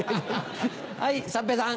はい三平さん。